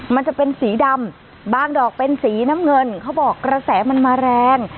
มันจะเป็นสีดำบางดอกเป็นสีน้ำเงินเขาบอกกระแสมันมาแรง